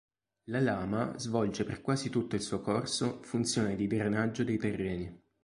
La Lama svolge per quasi tutto il suo corso funzione di drenaggio dei terreni.